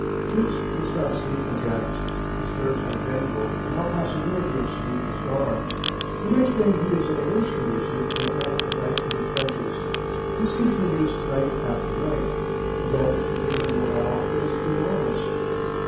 Fritz does not sleep again. His nerves are jangled and all possibility of sleep is gone. The next day he is in a worse condition than after a night in the trenches. This continues night after night. The damage to German morale is enormous.